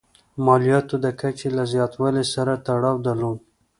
مالیاتو د کچې له زیاتوالي سره تړاو درلود.